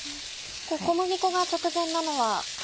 小麦粉が直前なのは？